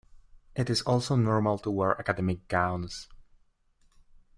It is also normal to wear academic gowns.